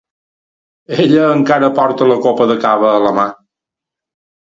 Ella encara porta la copa de cava a la mà.